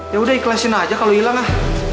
ya udah ikhlasin aja kalo hilang lah